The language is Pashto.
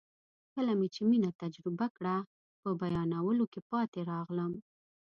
کله مې چې مینه تجربه کړه په بیانولو کې پاتې راغلم.